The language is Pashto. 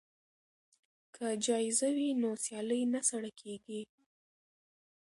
که جایزه وي نو سیالي نه سړه کیږي.